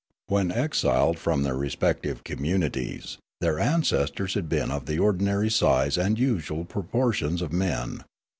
When exiled from their re spective communities, their ancestors had been of the ordinary size and usual proportions of men.